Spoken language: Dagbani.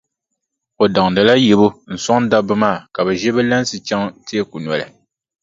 O daŋdila yibu n-sɔŋ dabba maa ka bɛ ʒi bɛ lansi chaŋ teeku noli.